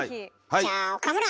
じゃあ岡村！